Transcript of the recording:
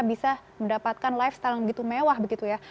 bisa mendapatkan lifestyle yang begitu mewah begitu ya